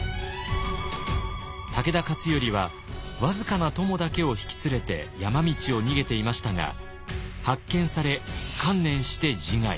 武田勝頼は僅かな供だけを引き連れて山道を逃げていましたが発見され観念して自害。